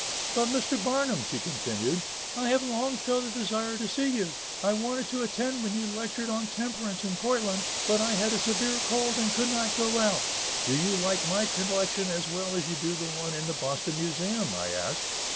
But, Mr. Barnum," she, continued, "I have long felt a desire to see you; I wanted to attend when you lectured on temperance in Portland, but I had a severe cold and could not go out." "Do you like my collection as well as you do the one in the Boston Museum?" I asked.